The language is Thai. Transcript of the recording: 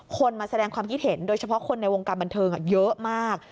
มาแสดงความคิดเห็นโดยเฉพาะคนในวงการบันเทิงเยอะมาก